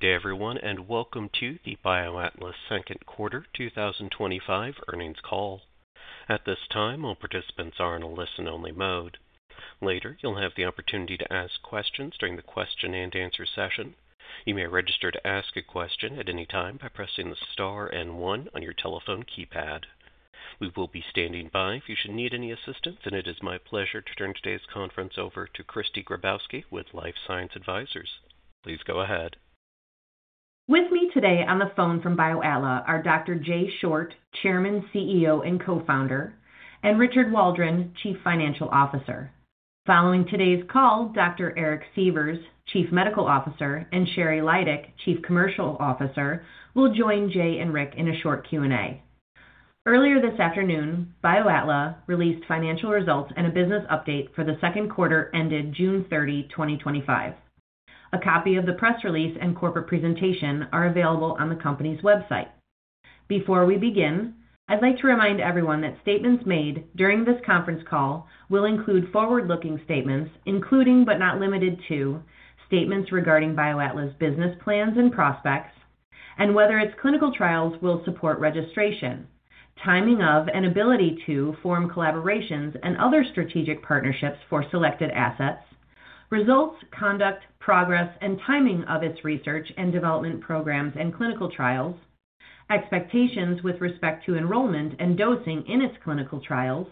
Good day, everyone, and welcome to the BioAtla second quarter 2025 earnings call. At this time, all participants are in a listen-only mode. Later, you'll have the opportunity to ask questions during the question and answer session. You may register to ask a question at any time by pressing the star and one on your telephone keypad. We will be standing by if you should need any assistance, and it is my pleasure to turn today's conference over to Kristy Grabowski with Life Science Advisors. Please go ahead. With me today on the phone from BioAtla are Dr. Jay Short, Chairman, CEO, and Co-Founder, and Richard Waldron, Chief Financial Officer. Following today's call, Dr. Eric Sievers, Chief Medical Officer, and Sheri Lydick, Chief Commercial Officer, will join Jay and Rick in a short Q&A. Earlier this afternoon, BioAtla released financial results and a business update for the second quarter ended June 30, 2025. A copy of the press release and corporate presentation are available on the company's website. Before we begin, I'd like to remind everyone that statements made during this conference call will include forward-looking statements, including but not limited to statements regarding BioAtla's business plans and prospects, and whether its clinical trials will support registration, timing of, and ability to form collaborations and other strategic partnerships for selected assets, results, conduct, progress, and timing of its research and development programs and clinical trials, expectations with respect to enrollment and dosing in its clinical trials,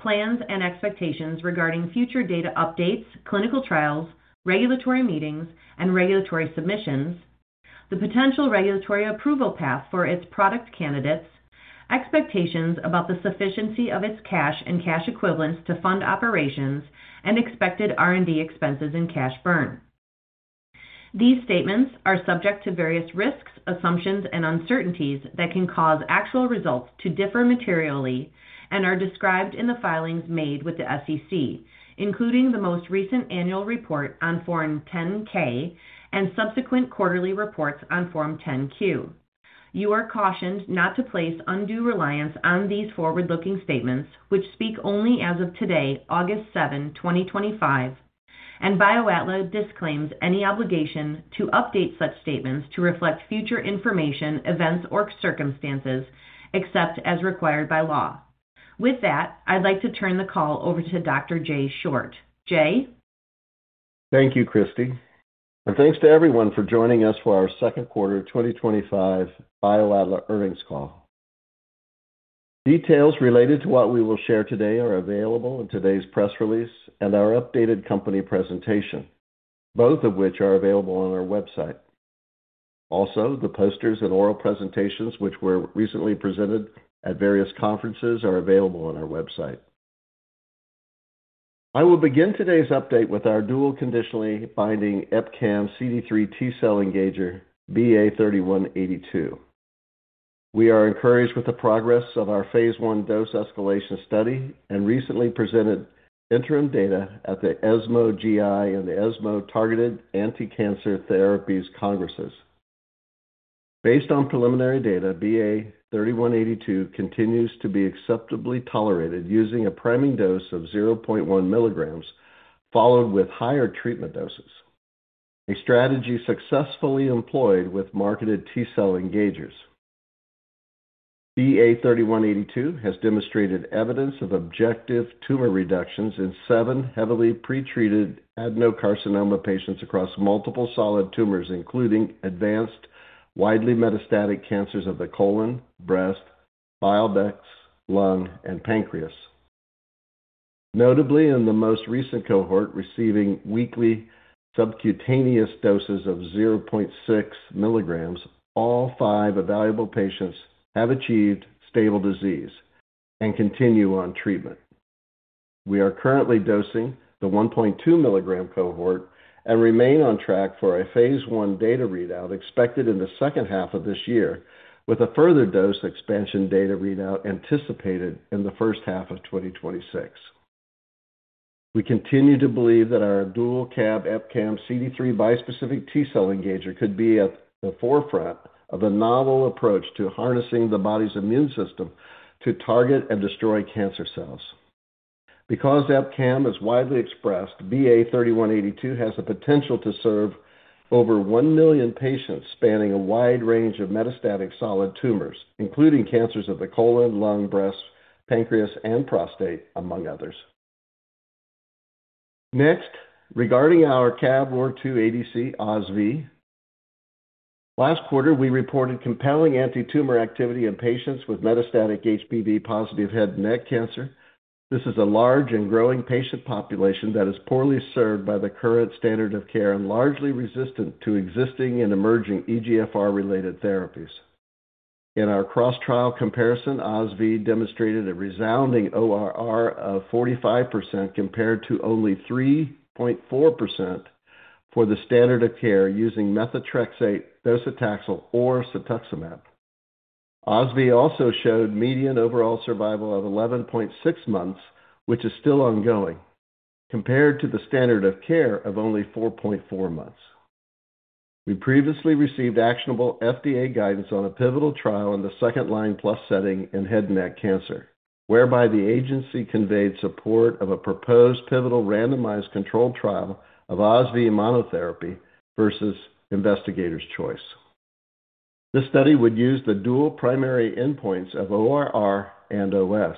plans and expectations regarding future data updates, clinical trials, regulatory meetings, and regulatory submissions, the potential regulatory approval path for its product candidates, expectations about the sufficiency of its cash and cash equivalents to fund operations, and expected R&D expenses and cash burn. These statements are subject to various risks, assumptions, and uncertainties that can cause actual results to differ materially and are described in the filings made with the SEC, including the most recent annual report on Form 10-K and subsequent quarterly reports on Form 10-Q. You are cautioned not to place undue reliance on these forward-looking statements, which speak only as of today, August 7, 2025, and BioAtla disclaims any obligation to update such statements to reflect future information, events, or circumstances except as required by law. With that, I'd like to turn the call over to Dr. Jay Short. Jay. Thank you, Kristy, and thanks to everyone for joining us for our second quarter 2025 BioAtla earnings call. Details related to what we will share today are available in today's press release and our updated company presentation, both of which are available on our website. Also, the posters and oral presentations, which were recently presented at various conferences, are available on our website. I will begin today's update with our dual-conditionally binding EpCAM x CD3 T-cell engager BA3182. We are encouraged with the progress of our phase 1 dose escalation study and recently presented interim data at the ESMO GI and the ESMO Targeted Anti-Cancer Therapies Congress. Based on preliminary data, BA3182 continues to be acceptably tolerated using a priming dose of 0.1mg, followed with higher treatment doses, a strategy successfully employed with marketed T-cell engagers. BA3182 has demonstrated evidence of objective tumor reductions in seven heavily pretreated adenocarcinoma patients across multiple solid tumors, including advanced, widely metastatic cancers of the colon, breast, bile ducts, lung, and pancreas. Notably, in the most recent cohort receiving weekly subcutaneous doses of 0.6mg, all five evaluable patients have achieved stable disease and continue on treatment. We are currently dosing the 1.2mg cohort and remain on track for a phase 1 data readout expected in the second half of this year, with a further dose expansion data readout anticipated in the first half of 2026. We continue to believe that our dual-CAB EpCAM x CD3 bispecific T-cell engager could be at the forefront of a novel approach to harnessing the body's immune system to target and destroy cancer cells. Because EpCAM is widely expressed, BA3182 has the potential to serve over one million patients spanning a wide range of metastatic solid tumors, including cancers of the colon, lung, breast, pancreas, and prostate, among others. Next, regarding our CAB-ROR2 ADC, ozuriftamab vedotin (OZV), last quarter we reported compelling anti-tumor activity in patients with metastatic HPV-positive head and neck cancer. This is a large and growing patient population that is poorly served by the current standard of care and largely resistant to existing and emerging EGFR-related therapies. In our cross-trial comparison, OZV demonstrated a resounding ORR of 45% compared to only 3.4% for the standard of care using methotrexate, docetaxel, or cetuximab. OZV also showed median overall survival of 11.6 months, which is still ongoing, compared to the standard of care of only 4.4 months. We previously received actionable FDA guidance on a pivotal trial in the second-line plus setting in head and neck cancer, whereby the agency conveyed support of a proposed pivotal randomized controlled trial of OZV monotherapy versus investigator's choice. This study would use the dual primary endpoints of ORR and OS.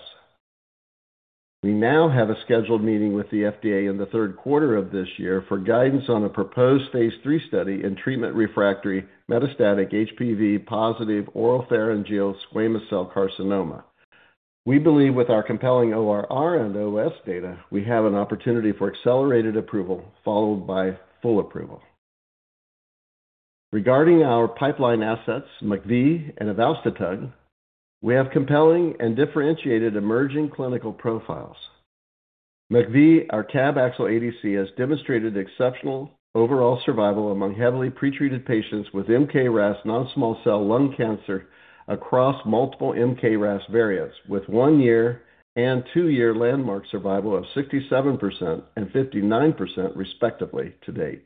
We now have a scheduled meeting with the FDA in the third quarter of this year for guidance on a proposed phase 3 study in treatment-refractory metastatic HPV-positive oropharyngeal squamous cell carcinoma. We believe with our compelling ORR and OS data, we have an opportunity for accelerated approval followed by full approval. Regarding our pipeline assets, MCV and evalstotug, we have compelling and differentiated emerging clinical profiles. MCV, our CAB-AXL ADC, has demonstrated exceptional overall survival among heavily pretreated patients with KRAS non-small cell lung cancer across multiple KRAS variants, with one-year and two-year landmark survival of 67% and 59% respectively to date.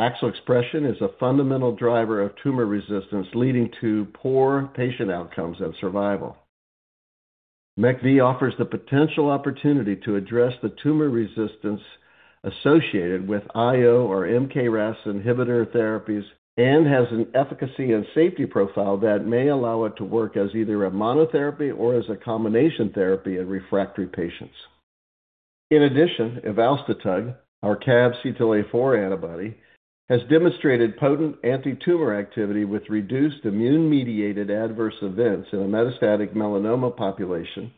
AXL expression is a fundamental driver of tumor resistance, leading to poor patient outcomes and survival. MCV offers the potential opportunity to address the tumor resistance associated with IO or KRAS inhibitor therapies and has an efficacy and safety profile that may allow it to work as either a monotherapy or as a combination therapy in refractory patients. In addition, evalstotug, our CAB-CTLA-4 antibody, has demonstrated potent anti-tumor activity with reduced immune-mediated adverse events in a metastatic melanoma population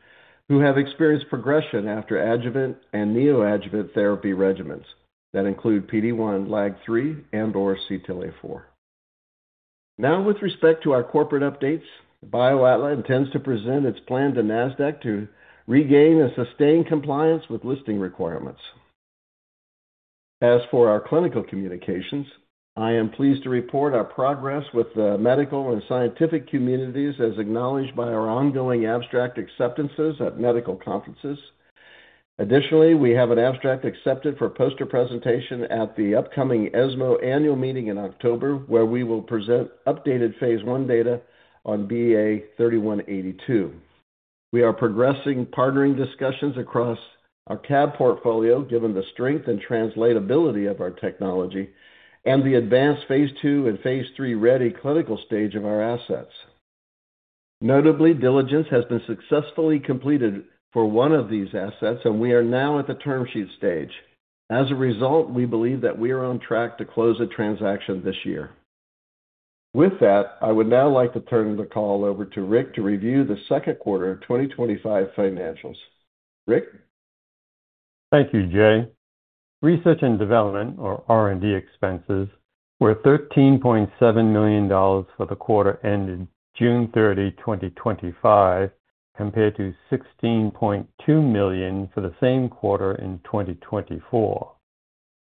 who have experienced progression after adjuvant and neoadjuvant therapy regimens that include PD-1, LAG3, and/or CTLA-4. Now, with respect to our corporate updates, BioAtla intends to present its plan to NASDAQ to regain and sustain compliance with listing requirements. As for our clinical communications, I am pleased to report our progress with the medical and scientific communities as acknowledged by our ongoing abstract acceptances at medical conferences. Additionally, we have an abstract accepted for poster presentation at the upcoming ESMO annual meeting in October, where we will present updated phase 1 data on BA3182. We are progressing partnering discussions across our CAB portfolio, given the strength and translatability of our technology and the advanced phase 2 and phase 3 ready clinical stage of our assets. Notably, diligence has been successfully completed for one of these assets, and we are now at the term sheet stage. As a result, we believe that we are on track to close a transaction this year. With that, I would now like to turn the call over to Rick to review the second quarter of 2025 financials. Rick. Thank you, Jay. Research and development, or R&D, expenses were $13.7 million for the quarter ended June 30, 2025, compared to $16.2 million for the same quarter in 2024.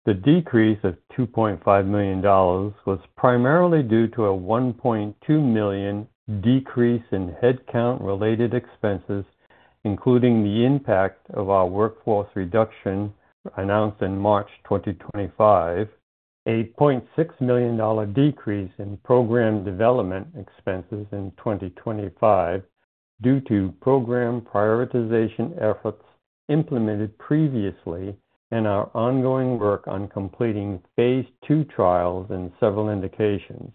The decrease of $2.5 million was primarily due to a $1.2 million decrease in headcount-related expenses, including the impact of our workforce reduction announced in March 2025, a $0.6 million decrease in program development expenses in 2025 due to program prioritization efforts implemented previously, and our ongoing work on completing phase 2 trials in several indications,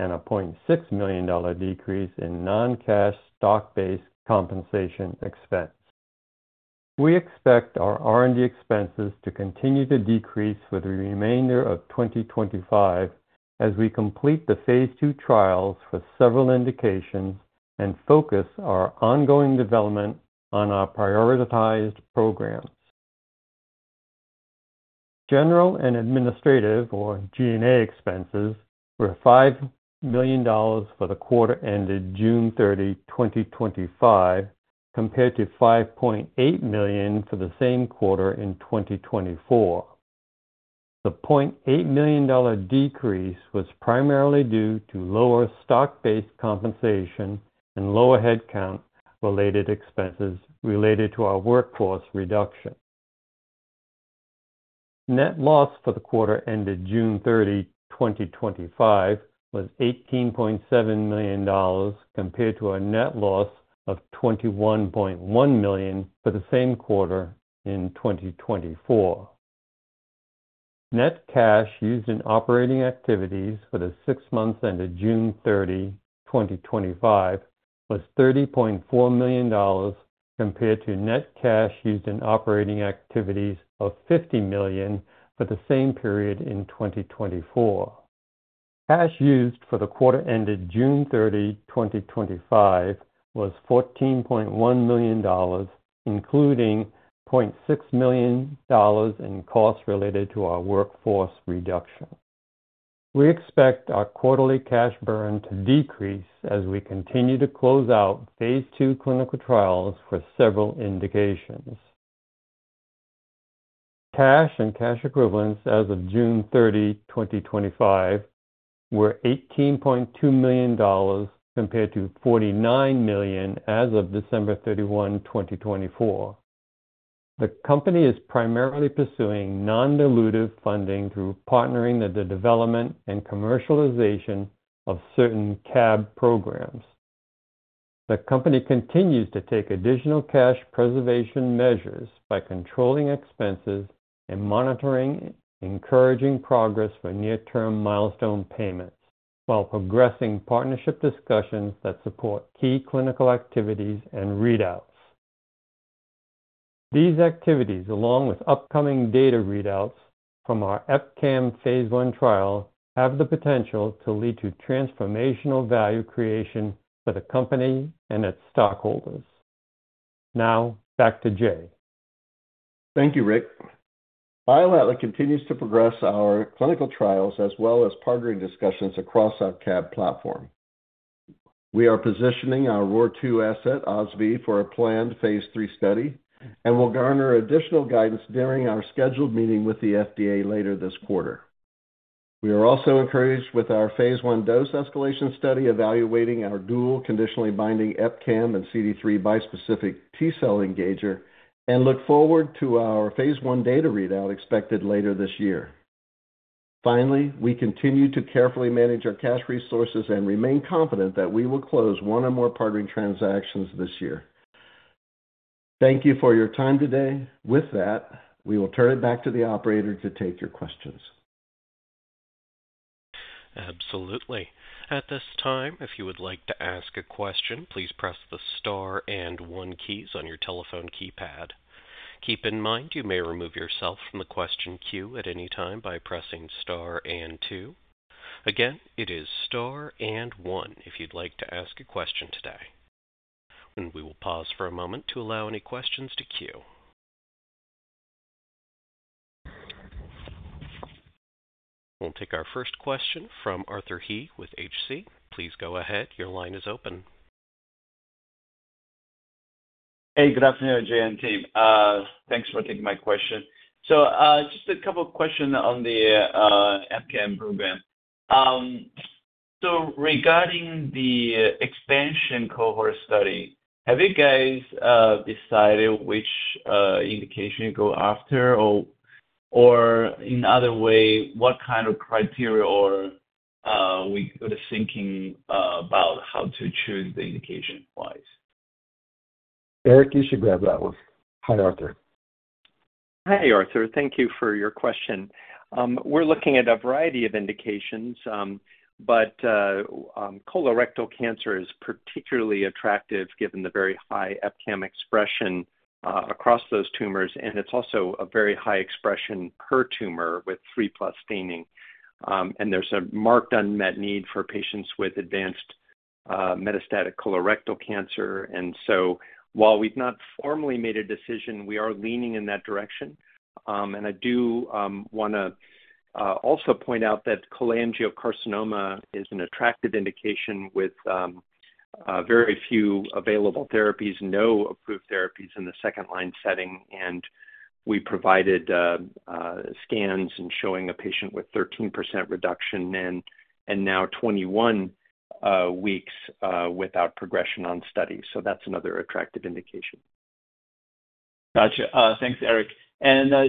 and a $0.6 million decrease in non-cash stock-based compensation expense. We expect our R&D expenses to continue to decrease for the remainder of 2025 as we complete the phase 2 trials with several indications and focus our ongoing development on our prioritized programs. General and administrative, or G&A, expenses were $5 million for the quarter ended June 30, 2025, compared to $5.8 million for the same quarter in 2024. The $0.8 million decrease was primarily due to lower stock-based compensation and lower headcount-related expenses related to our workforce reduction. Net loss for the quarter ended June 30, 2025, was $18.7 million compared to a net loss of $21.1 million for the same quarter in 2024. Net cash used in operating activities for the six months ended June 30, 2025, was $30.4 million compared to net cash used in operating activities of $50 million for the same period in 2024. Cash used for the quarter ended June 30, 2025, was $14.1 million, including $0.6 million in costs related to our workforce reduction. We expect our quarterly cash burn to decrease as we continue to close out phase 2 clinical trials with several indications. Cash and cash equivalents as of June 30, 2025, were $18.2 million compared to $49 million as of December 31, 2024. The company is primarily pursuing non-dilutive funding through partnering in the development and commercialization of certain CAB programs. The company continues to take additional cash preservation measures by controlling expenses and monitoring, encouraging progress for near-term milestone payments while progressing partnership discussions that support key clinical activities and readouts. These activities, along with upcoming data readouts from our EpCAM phase 1 trial, have the potential to lead to transformational value creation for the company and its stockholders. Now, back to Jay. Thank you, Rick. BioAtla continues to progress our clinical trials as well as partnering discussions across our CAB platform. We are positioning our ROR2 asset, ozuriftamab vedotin, for a planned phase 3 study and will garner additional guidance during our scheduled meeting with the FDA later this quarter. We are also encouraged with our phase 1 dose escalation study, evaluating our dual-conditionally binding EpCAM and CD3 bispecific T-cell engager, and look forward to our phase 1 data readout expected later this year. Finally, we continue to carefully manage our cash resources and remain confident that we will close one or more partnering transactions this year. Thank you for your time today. With that, we will turn it back to the operator to take your questions. Absolutely. At this time, if you would like to ask a question, please press the star and one keys on your telephone keypad. Keep in mind you may remove yourself from the question queue at any time by pressing star and two. Again, it is star and one if you'd like to ask a question today. We will pause for a moment to allow any questions to queue. We'll take our first question from Arthur He with H.C. Wainwright & Co. Please go ahead. Your line is open. Hey, good afternoon, Jay and team. Thanks for taking my question. Just a couple of questions on the EpCAM program. Regarding the expansion cohort study, have you guys decided which indication you go after, or in another way, what kind of criteria are you thinking about for how to choose the indication-wise? Eric, you should grab that one. Hi, Arthur. Hi, Arthur. Thank you for your question. We're looking at a variety of indications, but colorectal cancer is particularly attractive given the very high EpCAM expression across those tumors, and it's also a very high expression per tumor with 3+ staining. There's a marked unmet need for patients with advanced metastatic colorectal cancer. While we've not formally made a decision, we are leaning in that direction. I do want to also point out that cholangiocarcinoma is an attractive indication with very few available therapies, no approved therapies in the second-line setting. We provided scans showing a patient with 13% reduction and now 21 weeks without progression on study. That's another attractive indication. Gotcha. Thanks, Eric.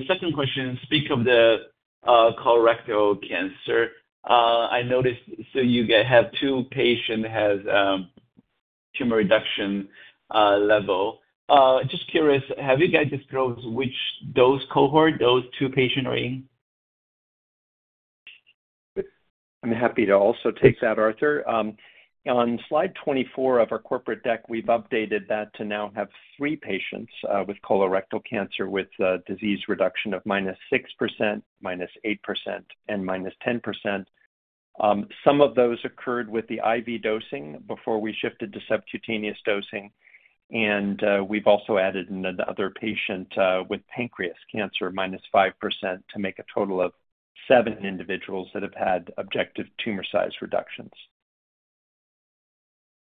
Second question, speaking of the colorectal cancer, I noticed you have two patients that have tumor reduction level. Just curious, have you guys disclosed which dose cohort those two patients are in? I'm happy to also take that, Arthur. On slide 24 of our corporate deck, we've updated that to now have three patients with colorectal cancer with disease reduction of -6%, -8%, and -10%. Some of those occurred with the IV dosing before we shifted to subcutaneous dosing. We've also added in another patient with pancreas cancer, -5%, to make a total of seven individuals that have had objective tumor size reductions.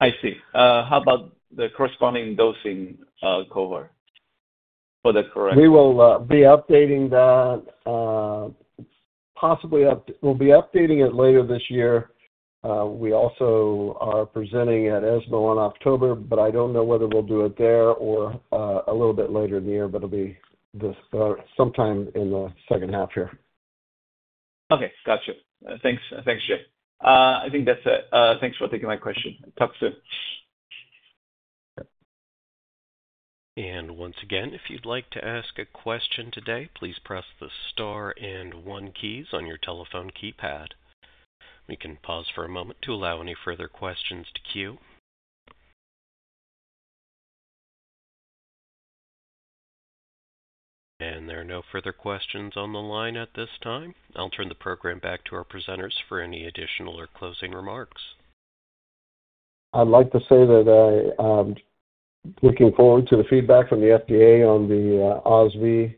I see. How about the corresponding dosing cohort? Was that correct? We will be updating that. Possibly, we'll be updating it later this year. We also are presenting at ESMO GI in October, but I don't know whether we'll do it there or a little bit later in the year. It'll be sometime in the second half here. Okay, gotcha. Thanks, Jay. I think that's it. Thanks for taking my question. Talk soon. If you'd like to ask a question today, please press the star and one keys on your telephone keypad. We can pause for a moment to allow any further questions to queue. There are no further questions on the line at this time. I'll turn the program back to our presenters for any additional or closing remarks. I'd like to say that I'm looking forward to the feedback from the FDA on the OZV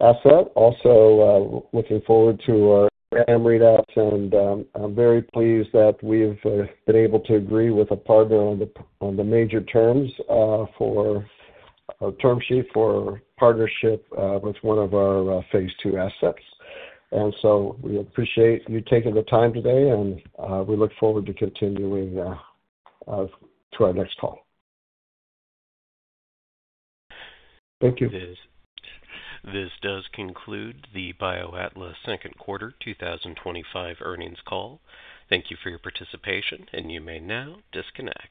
asset. Also, looking forward to CRAM readouts, and I'm very pleased that we've been able to agree with a partner on the major terms for a term sheet for partnership with one of our phase 2 assets. We appreciate you taking the time today, and we look forward to continuing to our next call. Thank you. This does conclude the BioAtla second quarter 2025 earnings call. Thank you for your participation, and you may now disconnect.